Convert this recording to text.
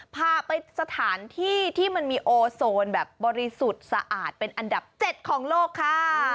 พาไปสถานที่ที่มันมีโอโซนแบบบริสุทธิ์สะอาดเป็นอันดับ๗ของโลกค่ะ